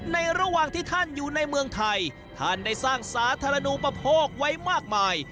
ระหว่างที่ท่านอยู่ในเมืองไทยท่านได้สร้างสาธารณูปโภคไว้มากมาย